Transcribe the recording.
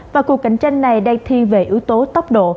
và cuộc cạnh tranh này đang thi về yếu tố tốc độ